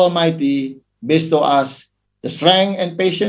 memberi kami kekuatan dan keberanian